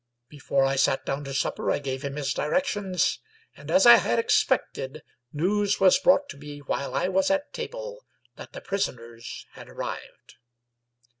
Before I sat down to supper I gave him his directions ; and as I had expected, news was brought to me while I was at table that the prisoners had arrived.